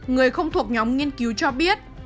người không thuộc nhóm nghiên cứu cho biết